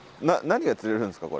な何が釣れるんですか？